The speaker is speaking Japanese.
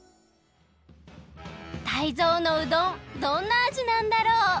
タイゾウのうどんどんなあじなんだろう？